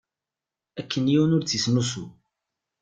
Akken yiwen ur tt-isnusu.